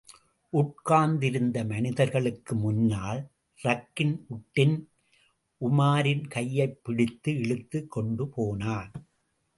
உட்கார்ந்திருந்த மனிதர்களுக்கு முன்னால், ரக்கின் உட்டின் உமாரின் கையைப் பிடித்து இழுத்துக் கொண்டு போனான்.